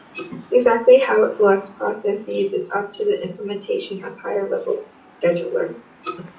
Exactly how it selects processes is up to the implementation of the higher-level scheduler.